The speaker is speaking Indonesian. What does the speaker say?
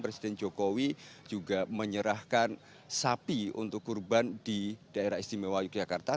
presiden jokowi juga menyerahkan sapi untuk kurban di daerah istimewa yogyakarta